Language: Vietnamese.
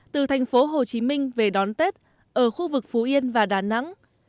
từ thành phố hồ chí minh về đón tết ở khu vực phú yên và đà nẵng